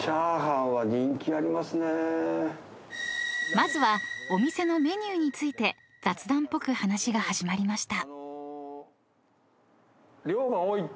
［まずはお店のメニューについて雑談っぽく話が始まりました］